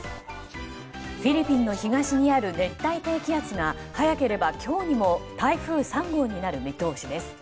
フィリピンの東にある熱帯低気圧が早ければ今日にも台風３号になる見通しです。